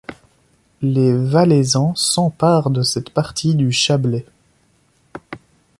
Les Valaisans s'emparent de cette partie du Chablais.